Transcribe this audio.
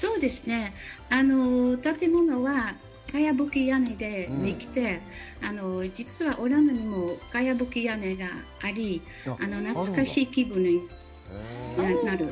建物はかやぶき屋根でできてて、実はオランダにもかやぶき屋根があり、懐かしい気分になる。